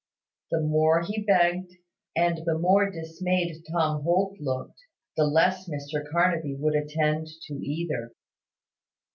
The more he begged, and the more dismayed Tom Holt looked, the less Mr Carnaby would attend to either.